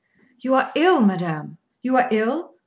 "You are ill, madame! You are ill?